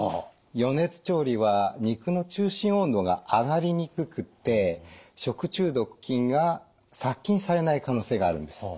余熱調理は肉の中心温度が上がりにくくて食中毒菌が殺菌されない可能性があるんです。